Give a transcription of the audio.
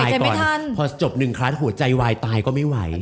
เดี๋ยวตายก่อนพอจบหนึ่งคลาสหัวใจวายตายก็ไม่ไหว